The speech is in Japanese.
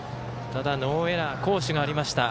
ただ、ノーエラー好守がありました。